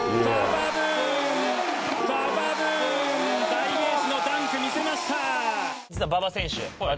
代名詞のダンク見せました！